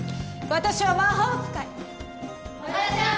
私は魔法使い！